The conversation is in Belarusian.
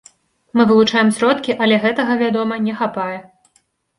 Мы вылучаем сродкі, але гэтага, вядома, не хапае.